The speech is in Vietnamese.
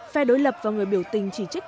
phe đối lập và người biểu tình chỉ trích